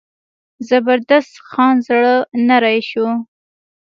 زبردست خان زړه نری شو.